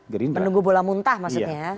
gerindra menunggu bola muntah maksudnya